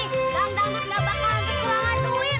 gang dangdut gak bakal dikurangkan duit